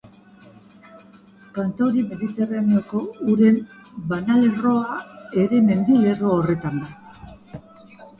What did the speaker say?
Kantauri-Mediterraneoko uren banalerroa ere mendilerro horretan da.